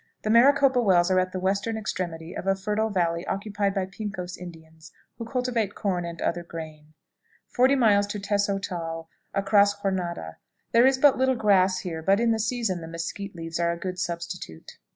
The Maricopa Wells are at the western extremity of a fertile valley occupied by Pincos Indians, who cultivate corn and other grain. 40. Tezotal. Across Jornada. There is but little grass here, but in the season the mesquite leaves are a good substitute.